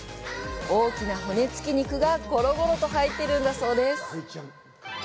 大きな骨付き肉がごろごろと入っているんだそうです！